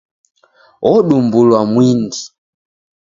Odumbulwa mwindi.